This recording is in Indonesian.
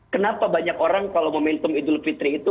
kenapa banyak orang kalau momentum idul fitri itu